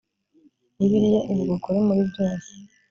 bibiliya ivuga ukuri muri byose